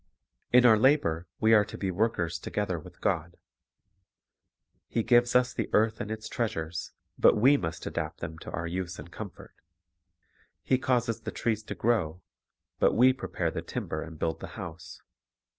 In our labor we are to be workers together with God. He gives us the earth and its treasures; but we must adapt them to our use and comfort. He causes the trees to grow ; but we prepare the timber and build the house.